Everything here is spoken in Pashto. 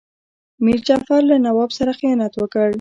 میر جعفر له نواب سره خیانت وکړ.